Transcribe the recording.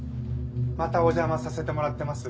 またお邪魔させてもらってます。